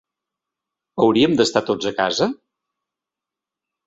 Hauríem d’estar tots a casa?